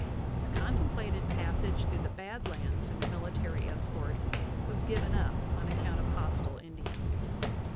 A contemplated passage through the Bad Lands under military escort was given up on account of hostile Indians.